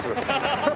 ハハハハ。